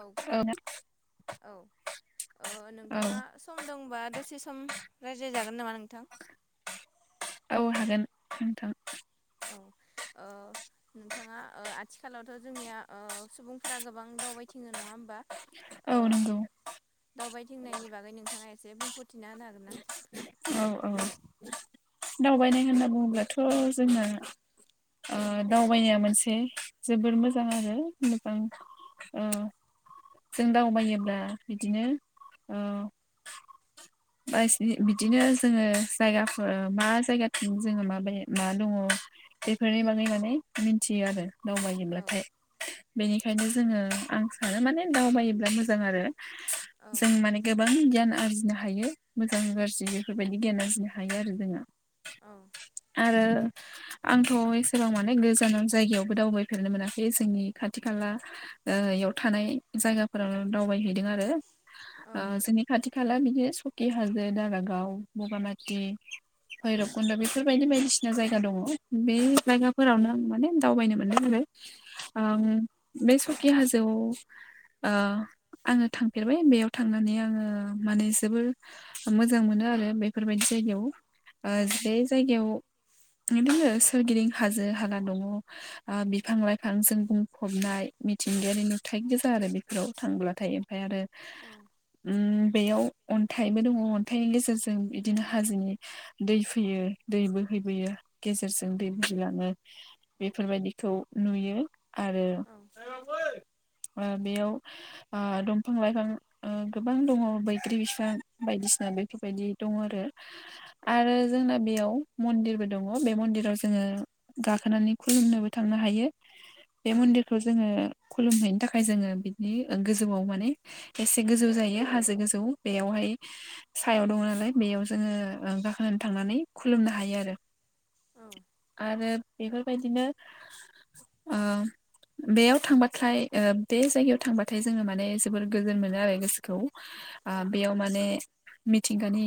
औ खोनादो औ ओ औ नोंथाङा स सम दंबा दसे सम रायज्लाय जागोन नामा नोंथां? औ हागोन नोंथां। औ ओ नोंथाङा ओ आथिखालावथ' जोंनिया ओ सुबुंफोरा गोबां दावबायथिङो नङा होमबा? औ ओ नंगौ दावबायथिंनायनि बागै नोंथाङा एसे बुंफोरथिना होनो हागोन ना? औ औ दावबायनाय होनना बुङोब्लाथ' जोंना ओ दावबायनाया मोनसे जोबोर मोजां आरो मोजां। ओ जों दावबायोब्ला बिदिनो ओ [unintelligible] बिदिनो जोङो जायगाफोर मा जायगाथिं जोङो माबायो मा दङ बेफोरनि बागै माने मिन्थियो आरो औ दावबायोब्लाथाय। बेनिखायनो जोङो आं सानो माने दावबायोब्ला मोजां आरो औ जों माने गोबां गियान आरजिनो हायो मोजां गाज्रि बेफोरबायदि गियान आरजिनो हायो आरो जोंहा। औ। आरो आंथ' एसेबां माने गोजान जायगायावबो दावबायफेरनो मोनाखै जोंनि खाथि खाला ओ इयाव थानाय जायगाफोराव दावबायहैदों आरो। ओ जोंनि खाथि खाला बिदि सकि हाजो दारा गाव बगा माथि भैरब कुन्द' बेफोरबायदि बायदिसिना जायगा दङ बे जायगाफोरावनो आं माने दावबायनो मोनो आरो। औ आं बे सखि हाजोआव ओ आङो थांफेरबाय बेयाव थांनानै आङो माने जोबोर मोजां मोजां मोनो आरो बेफोरबायदि जायगायाव ओ औ जे जायगायाव बिदिनो सोरगिदिं हाजो हाला दङ। ओ बिफां लाइफां जों बुंफबनाय मिथिंगायारि नुथाय गोजा आरो बेफोराव थांब्लाथाय ओमफ्राय आरो औ। उ बेयाव अन्थाइबो दङ अन्थाइनि गेजेरजों बिदिनो हाजोनि दै फैयो दै बोहैबोयो गेजेरजों दै बुहैलाङो। बेफोरबायदिखौ नुयो आरो औ ओ बेयाव ओ दंफां लाइफां ओ गोबां दङ बैग्रि बिफां बायदिसिना। बेफोरबायदि दङ आरो। आरो जोंना बेयाव मन्दिरबो दङ बे मन्दिराव जोङो गाखोनानै खुलुमनोबो थांनो हायो। बे औ मन्दिरखौ जोङो खुलुमहैनो थाखाय जोङो गोजौआव माने एसे गोजौ जायो हाजो गोजौ बेयावहाय सायाव दङ नालाय बेयाव जोङो गाखोनानै थांनानै खुलुमनो हायो आरो। औ आरो। बेफोरबायदिनो ओ बेयाव थांबाथाय ओ बे जायगायाव थांबाथाय जोङो माने जोबोर गोजोन मोनो आरो गोसोखौ औ ओ बेयाव माने। मिथिंगानि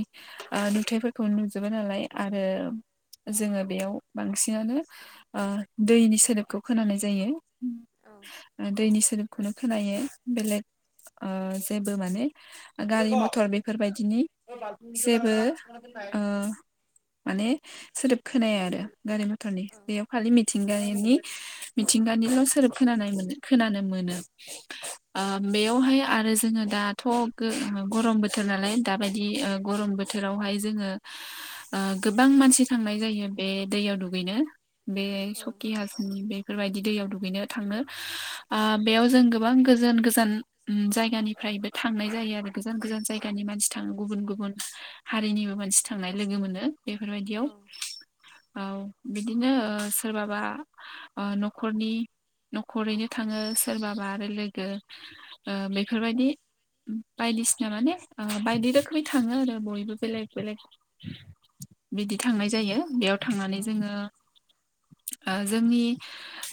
ओ नुथाइफोरखौ नुजोबो नालाय आरो। जोङो बेयाव बांसिनानो ओ दैनि सोदोब खौ खोनानाय जायो ओ दैनि सोदोबखौनो खोनायो बेलेग ओ जेबो माने गारि मथर बेफोरबायदि दिनि जेबो ओ माने सोदोब खोनाया आरो। गारि मथरनि बेयाव खालि मिथिंगानिनि मिथिंगानिल' सोदोब खोनानाय मोनो। खोनानो मोनो। ओ बेयावहाय आरो जोङो दाथ' गरम बोथोर नालाय दाबायदि ओ गरम बोथोरावहाय जोङो ओ गोबां मानसि थांनाय जायो बे दैयाव दुगैनो बे सकि हाजोनि बे बेफोरबायदि दैयाव दुगैनो थांनो ओ बेयाव जों गोबां गोजान गोजान। जायगानिफ्रायबो थांनाय जायो आरो गोजान गोजान जायगानि मानसि थाङो गुबुन गुबुन हारिनिबो मानसि थांनाय लोगो मोनो बेफोरबायदियाव। औ बिदिनो सोरबाबा ओ न'खरनि न'खरैनो थाङो सोरबाबा आरो लोगो ओ बेफोरबायदि बायदिसिना माने ओ बायदि रोखोमै थाङो आरो बयबो बेलेक बेलेक बिदि थांनाय जायो बेयाव। थांनानै जोङो जोंनि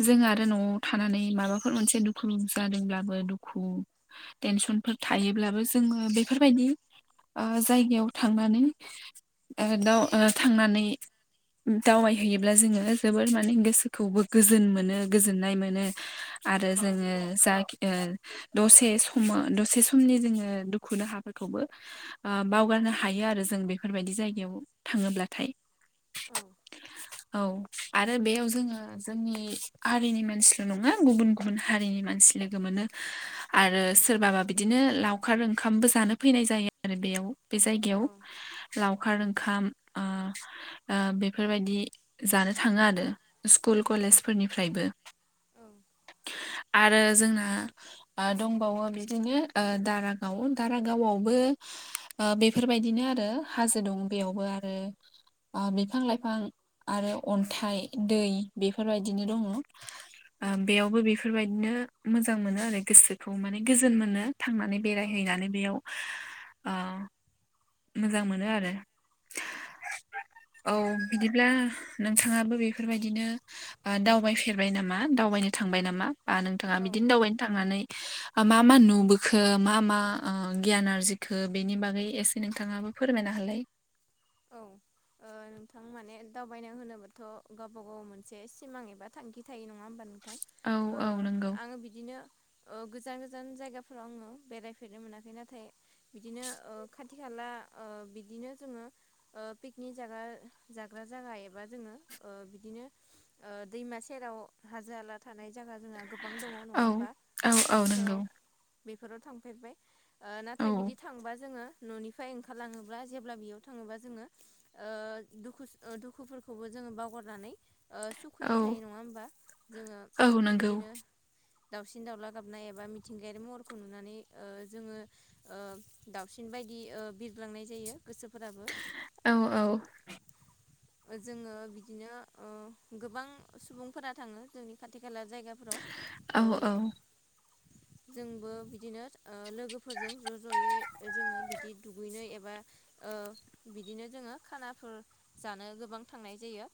जों आरो न'आव थानानै माबाफोर मोनसे दुखु जादोंब्लाबो दुखु टेनसनफोर थायोब्लाबो जोङो बेफोरबायदि ओ जायगायाव थांनानै ओ दाउ ओ थांनानै दावबायहैयोब्ला जोङो जोबोर माने गोसोखौबो गोजोन मोनो गोजोननाय मोनो। आरो जोङो जा ओ दसे समाव दसे समनि जोङो दुखु दाहाफोरखौबो ओ बावगारनो हायो आरो जों बेफोर बायदि जायगायाव थाङोब्लाथाय। [inaudible] औ आरो बेयाव जोङो। जोंनि हारिनि मानसिल' नङा गुबुन गुबुन हारिनि मानसि लोगो मोनो। आरो सोरबाबा बिदिनो लावखार ओंखामबो जानो फैनाय जायो आरो बेयाव बे जायगायाव लावखार ओंखाम ओ ओ बेफोर बायदि जानो थाङो आरो स्कुल कलेजफोरनिफ्रायबो आरो जोंना। ओ दंबावो बिदिनो ओ दारागाव दारागावआव बेवबो बेफोरबायदिनो आरो हाजो दं बेयावबो आरो। बिफां लाइफां आरो अन्थाइ दै बेफोरबायदिनो दङ। बेयावबो बे बेफोरबायदिनो मोजां मोनो आरो गोसोखौ माने गोजोन मोनो थांनानै औ बेरायहैनानै बेयाव। अ मोजां मोनो आरो। औ बिदिब्ला नोंथाङाबो बेफोरबायदिनो दावबायफेरबाय नामा दावबायनो थांबाय नामा? बा नोंथाङा औ औ बिदिनो दावबायनो थांनानै मा मा नुबोखो मा मा ओ गियान आरजिखो बेनि बागै एसे नोंथाङाबो फोरमायनो होलाय? औ। ओ नोंथां माने दावबायनाय होनोबाथ' गावबा गाव मोनसे सिमां एबा थांखि थायो नङा होमबा? औ अ औ नंगौ आङो बिदिनो ओ गोजान गोजान जायगाफोराव आङो बेरायफेरनो मोनाखै नाथाय बिदिनो ओ खाथि खाला ओ बिदिनो जोङो ओ पिकनिक जाग्रा जाग्रा जायगा एबा जोङो ओ बिदिनो ओ दैमा सेराव हाजो हाला थानाय जायगा जोंहा गोबां दङ नङा औ होमबा औ औ नंगौ बेफोराव बेफोराव थांफेरबाय ओ औ नाथाय बिदि थांङोबा जोङो न'निफ्राय ओंखारलाङोब्ला जेब्ला बेयाव थाङोबा जोङो ओ दुखुफोरखौबो जों बावगारनानै ओ सुु खुयै औ थायो नङा होमबा जोङो औ नंगौ बिदिनो दाावसिन दाउला गाबनाय एबा मिथिंगायारि महरखौ नुनानै ओ जोङो ओ दाउसिन बायदि बिरग्लांनाय जायो गोसोफोराबो। औ औ जोङो बिदिनो ओ गोबां सुबुंफोरा थाङो जोंनि खाथि खाला जायगाफोराव औ ओ जोंबो बिदिनो ओ लोगोफोरजों ज' ज'यै जोङो बिदि दुगैनो एबा ओ बिदिनो जोङो खानाफोर जानो गोबां थांनाय जायो।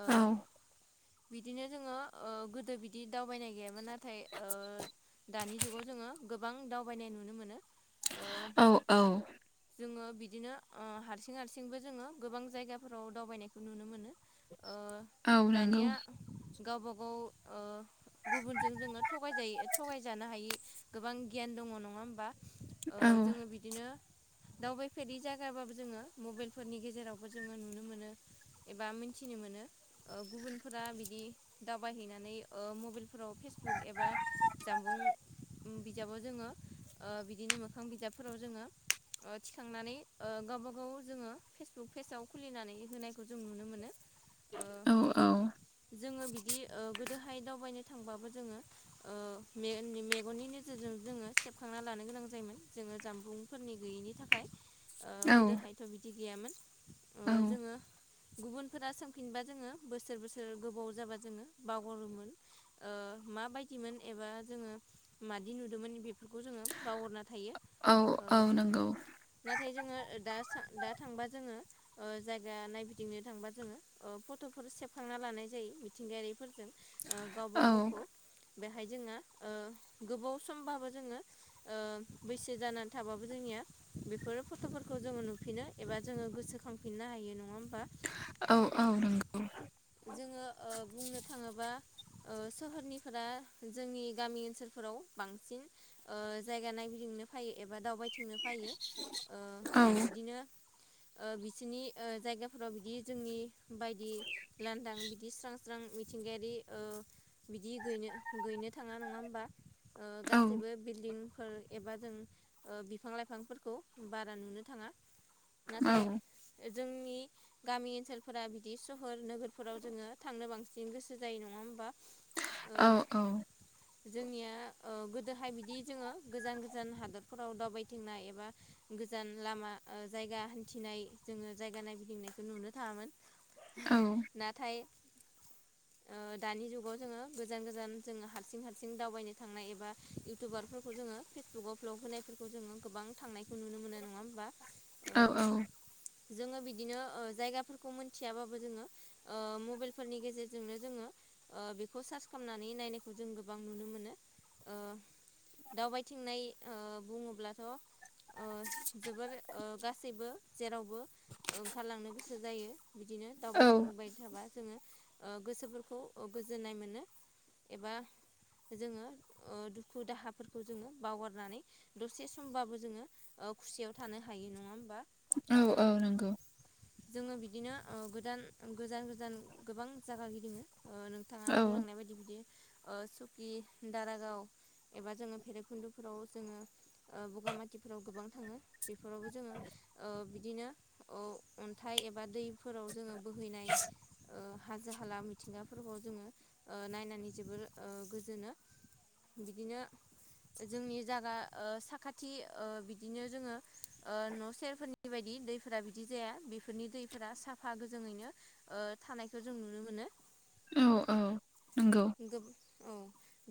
ओ औ बिदिनो जोङो ओ गोदो बिदिनो दावबायनाय गैयामोन। नाथाय ओ दानि जुगाव जोङो गोबां दावबायनाय नुनो मोनो। ओ औ औ जोङो बिदिनो ओ हारसिं हारसिंबो जोङो गोबां जायगाफोराव दावबायनायखौ नुनो मोनो। ओ औ नंगौ दानिया गावबा गाव ओ गुबुनजों जोङो थगायजायो थगायजानो हायि गोबां गियान दङ नङा होमबा? ओ औ जोङो बिदिनो दावबायफेरै जाय होआबाबो जोङो मबाइलफोरनि गेजेरावबो जोङो नुनो मोनो एबा मिथिनो मोनो। ओ गुबुनफोरा बिदि दावबायहैनानै ओ मबाइलफोराव फेसबुक एबा जामबुं बिजाबाव जोङो ओ बिदिनो मोखां बिजाबफोराव जोङो थिखांनानै ओ गावबागाव जोङो फेसबुक पेजाव खुलिनानै होनायखौ जों नुनो मोनो। ओ औ जोङो बिदि ओ गोदोहाय दावबायनो थांबाबो जोङो ओ मेगननि नोजोरजों जोङो सेबखांना लानो गोनां जायोमोन जोङो जामबुं फोरनि गैयैनि थाखाय ओ गोदोहायथ' बिदि गैयामोन औ जोङो गुबुनफोरा सोमफिनबा जोङो बोसोर बोसोर गोबाव जाबा जोङो बावगारोमोन। ओ माबायदिमोन एबा जोङो मादि नुदोंमोन बे बेफोरखौ जोङो बावगारना थायो नोंगौ नाथाय जोङो दा दा थांबा जोङो ओ जायगा नायगिदिंनो थांबा जोङो फट'फोर सेबखांना लानाय जायो मिथिंगायारिफोरजों ओ गावबा औ गावखौ बेहाय जोङो ओ गोबाव सम बाबो जोङो ओ बैसो जानानै थाबाबो जोंनिया बेफोर फट'फोरखौ जोङो नुफिनो एबा जोङो गोसोखांफिननो हायो नङा होमबा? औ औ नंगौ। जोङो बुंनो थाङोबा सोहोरनिफोरा जोंनि गामि ओनसोलफोराव बांसिन जायगा नायगिदिंनो फैयो एबा दावबायथिंनो फैयो बिदिनो बिसोरनि जायगाफोराव बिदि जोंनि बायदि लान्दां बिदि स्रां स्रां मिथिंगायारि बिदि गैनो-गैनो थाङा नङा होमबा। गासिबो बिल्डिंफोर एबा जों बिफां लाइफांफोरखौ बारा नुनो थाङा। औ नाथाय जोंनि गामि ओनसोलफोरा बिदि सहर नोगोरफोराव जोंङो थांनो बांसिन गोसो जायो नंङा होमबा ओ [inaudible] जोंनिया गोदोहाय बिदि जोंङो गोजान गोजान हादरफोराव दावबायथिंनाय एबा गोजान लामा ओ जायगा हान्थिनाय जोंङो जायगा नायगिदिंनायखौ नुनो थांङामोन। नाथाय [inaudible] ओ दानि जुगाव जोंङो गोजान गोजान जोंङो हारसिं हारसिं दावबायनो थांनाय एबा इउटुबारफोरखौ जोंङो फेसबुकआव ब्लग होनायफोरखौ जोंङो गोबां थांनायखौ नुनो मोनो नङा होमबा? ओ औ जोंङो बिदिनो ओ जायगाफोरखौ मोनथियाबाबो जोंङो ओ मबेलफोरनि गेजेरजोंनो जोंङो ओ बेखौ सार्च खालामनानै नायनायखौ जों गोबां नुनो मोनो ओ दावबायथिंनाय ओ बुंङोब्लाथ ओ जोबोर ओ गासैबो जेरावबो ओंखारलांनो गोसो जायो बिदिनो दावबायथिंबाय थाबा जोंङो ओ गोसोफोरखौ गोजोननाय मोनो एबा जोंङो ओ दुखु दाहाफोरखौ जोंङो बावगारनानै दसे समबाबो जोंङो ओ खुसियाव थानो हायो नङा होमबा? ओ औ नंगौ जोंङो बिदिनो ओ गोदान गोजान गोजान गोबां जागा गिदिंङो औ नोंथांङा बुंलांनाय बायदि बिदि ओ सुकि दारागाव एबा जोंङो भैेरबखुन्दुफोराव जोंङो ओ बगामाथिफोराव गोबां थांङो। बेफोरावबो जोंङो ओ बिदिनो ओ अन्थाइ एबा दै फोराव जोंङो बोहैनाय ओ हाजो हाला मिथिंगाफोरखौ जोंङो नायनानै जोबोर गोजोनो। बिदिनो जोंनि जागा ओ साखाथि ओ बिदिनो ओ जोंङो न' सेरफोरनि बेबायदि दैफोरा बिदि जाया बेफोरनि दैफोरा साफा गो जोङैनो थानायखौ जों नुनो मोनो। औ औ नंगौ। नंगौ औ।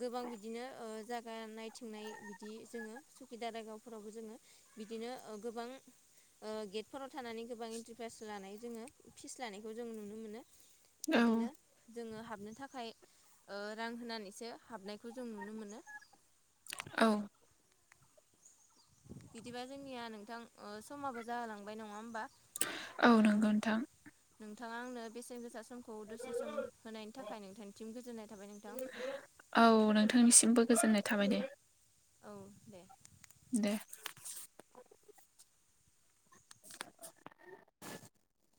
गोबां बिदिनो जागा नायथिंनाय बिदि जोंङो सुखि दारागावफोरावबो जोंङो बिदिनो ओ गोबां ओ गेटफोराव थानानै गोबां एन्ट्रि पास लानाय जोंङो फिस लानायखौ जों नुनो मोनो बिदिनो। जोंङो हाबनो ओ थाखाय रां होनानैसो हाबनायखौ जों नुनो मोनो। औ। बिदिबा जोंनिया नोंथां समाबो जाहोलांबाय नङा होमबा? औ ओ नंगौ नोंथां नोंथांङा आंनो बेसेन गोसा समखौ दसे सम होनायनि थाखाय नोंथांनिथिम गोजोननाय थाबाय नोंथां। औ नोंथांनिसिमबो गोजोननाय थाबाय दे। औ दे दे